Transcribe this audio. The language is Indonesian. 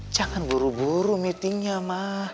jangan buru buru meetingnya mah